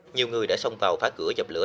nhiều người đã xông vào phá cửa dập lửa